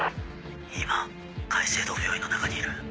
今界星堂病院の中にいる。